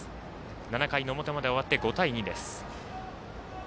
７回の表まで終わって、５対２。